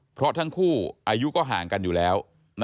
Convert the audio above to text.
เพราะทั้งคู่อายุก็ห่างกันอยู่แล้ว